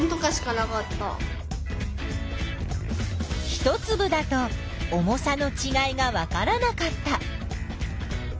一つぶだと重さのちがいがわからなかった。